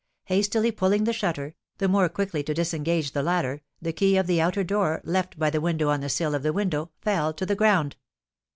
Hastily pulling the shutter, the more quickly to disengage the ladder, the key of the outer door, left by the widow on the sill of the window, fell to the ground.